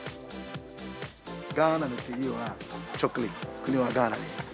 ガーナの国はチョコレート、国はガーナです。